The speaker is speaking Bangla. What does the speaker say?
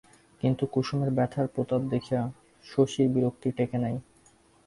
কিন্তু কুসুমের ব্যথার প্রতাপ দেখিয়া শশীর বিরক্তি টেকে নাই।